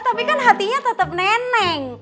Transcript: tapi kan hatinya tetap neneng